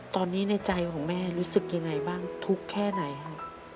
ตอนนี้ในใจของแม่รู้สึกยังไงบ้างทุกข์แค่ไหนฮะ